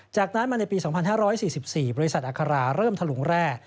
จากนั้นมาในปี๒๕๔๔บริษัทอัคราเริ่มถลุงแร่